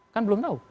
kan belum tahu